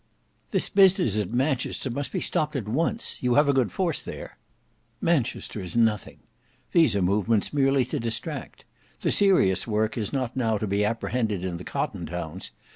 "This business at Manchester must be stopped at once; you have a good force there?" "Manchester is nothing; these are movements merely to distract. The serious work is not now to be apprehended in the cotton towns.